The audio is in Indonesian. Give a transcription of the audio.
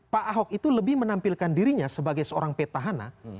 pak ahok itu lebih menampilkan dirinya sebagai seorang petahana